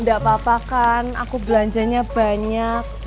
tidak apa apa kan aku belanjanya banyak